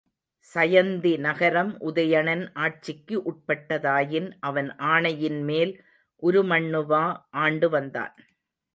சயந்தி நகரம் உதயணன் ஆட்சிக்கு உட்பட்டதாயின், அவன் ஆணையின்மேல் உருமண்ணுவா ஆண்டு வந்தான்.